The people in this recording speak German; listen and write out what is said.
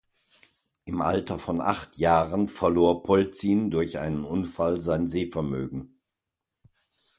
Im Alter von acht Jahren verlor Polzin durch einen Unfall sein Sehvermögen.